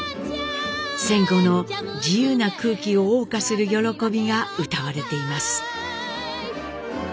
戦後の自由な空気をおう歌する喜びが歌われています。